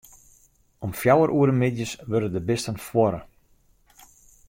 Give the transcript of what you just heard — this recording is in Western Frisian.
Om fjouwer oere middeis wurde de bisten fuorre.